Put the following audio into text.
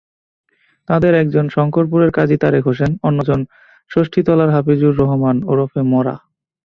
তাঁদের একজন শঙ্করপুরের কাজী তারেক হোসেন, অন্যজন ষষ্ঠীতলার হাফিজুর রহমান ওরফে মরা।